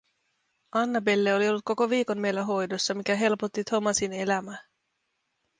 Annabelle oli ollut koko viikon meillä hoidossa, mikä helpotti Thomasin elämää.